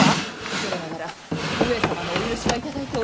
恐れながら上様のお許しは頂いており。